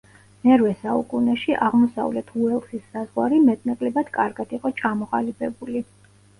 მერვე საუკუნეში აღმოსავლეთ უელსის საზღვარი მეტ-ნაკლებად კარგად იყო ჩამოყალიბებული.